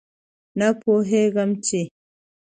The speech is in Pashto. نه پوهېږم چې